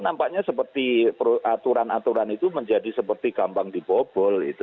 nampaknya seperti aturan aturan itu menjadi seperti gampang dibobol gitu